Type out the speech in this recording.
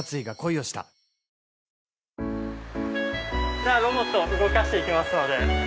じゃあロボットを動かして行きますので。